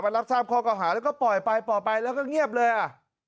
รับทราบข้อเก่าหาแล้วก็ปล่อยไปปล่อยไปแล้วก็เงียบเลยอ่ะ